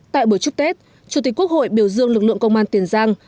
tại buổi chúc tết chủ tịch quốc hội biểu dương lực lượng công an tiền giang